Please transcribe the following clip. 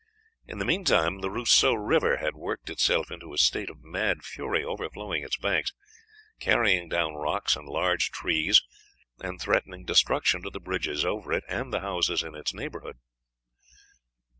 In the mean time the Roseau River had worked itself into a state of mad fury, overflowing its banks, carrying down rocks and large trees, and threatening destruction to the bridges over it and the houses in its neighborhood.